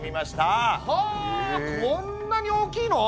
はあこんなに大きいの！？